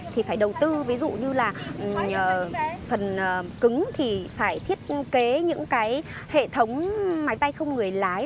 thì phải đầu tư ví dụ như là phần cứng thì phải thiết kế những cái hệ thống máy bay không người lái